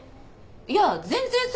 いや全然そ